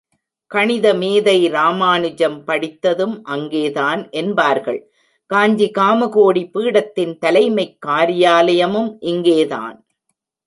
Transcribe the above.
கணித மேதை ராமானுஜம் படித்ததும் அங்கே தான் என்பார்கள், காஞ்சி காமகோடி பீடத்தின் தலைமைக் காரியாலயமும் இங்கே தான்.